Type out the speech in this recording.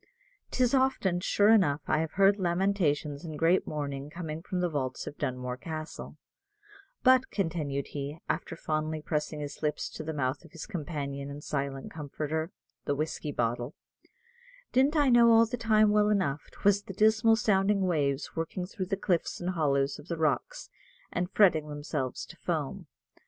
'Tis often, sure enough, I have heard lamentations and great mourning coming from the vaults of Dunmore Castle; but," continued he, after fondly pressing his lips to the mouth of his companion and silent comforter, the whiskey bottle, "didn't I know all the time well enough, 'twas the dismal sounding waves working through the cliffs and hollows of the rocks, and fretting themselves to foam.